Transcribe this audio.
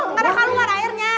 gak ada haluan airnya